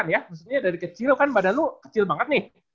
maksudnya dari kecil kan badan lo kecil banget nih